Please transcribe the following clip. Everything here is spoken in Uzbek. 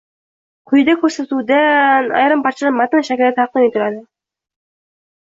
Quyida ko‘rsatuvdan ayrim parchalar matn shaklida taqdim etiladi